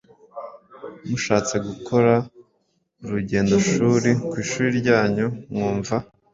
Mushatse gukora urugendoshuri ku ishuri ryanyu mwumva